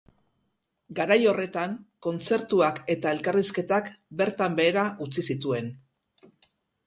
Garai horretan kontzertuak eta elkarrizketak bertan behera utzi zituen.